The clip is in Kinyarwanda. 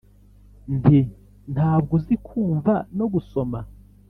nti ntabwo uzi kumva no gusoma